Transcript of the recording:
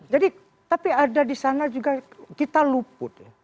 jadi tapi ada di sana juga kita luput